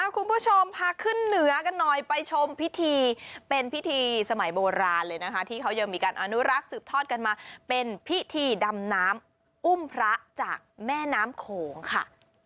คุณผู้ชมพาขึ้นเหนือกันหน่อยไปชมพิธีเป็นพิธีสมัยโบราณเลยนะคะที่เขายังมีการอนุรักษ์สืบทอดกันมาเป็นพิธีดำน้ำอุ้มพระจากแม่น้ำโขงค่ะ